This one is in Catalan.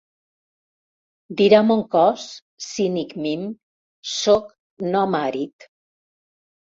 Dirà mon cos, cínic mim, sóc nom àrid.